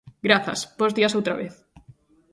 Grazas, bos días outra vez.